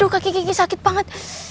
kegi sakit banget